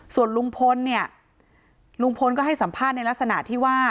ส่วนลุงพลเนี่ยลุงพลก็ให้สัมภาษณ์ในลักษณะที่ว่า